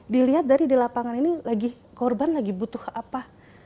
dilihat dari di lapangan ini lagi korban lagi butuh apa